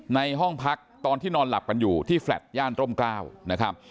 ในห้องพักตอนที่นอนหลับกันอยู่ที่แฟลต์ย่านร่มกล้าวนะครับ